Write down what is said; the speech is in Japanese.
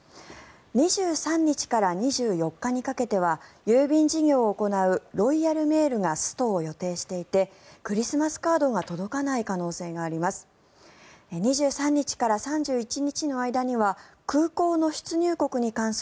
２３日から２４日にかけては郵便事業を行うロイヤルメールがストを予定していてクリスマスカードが届かない可能性があります。